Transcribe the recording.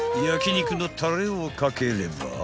［焼き肉のたれを掛ければ］